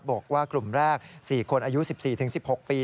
บอกว่ากลุ่มแรก๔คนอายุ๑๔๑๖ปี